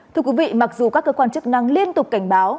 thưa quý vị mặc dù các cơ quan chức năng liên tục cảnh báo